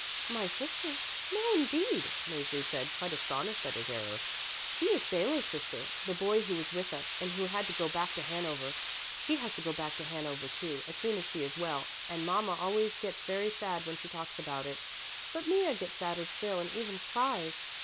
"My sister? No, indeed," Mäzli said, quite astonished at his error. "She is Salo's sister, the boy who was with us and who had to go back to Hanover. She has to go back to Hanover, too, as soon as she is well, and mama always gets very sad when she talks about it. But Mea gets sadder still and even cries.